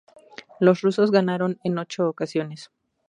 Los rusos ganaron en ocho ocasiones.